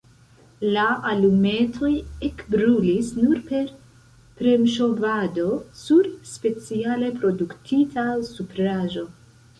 La alumetoj ekbrulis nur per premŝovado sur speciale produktita supraĵo.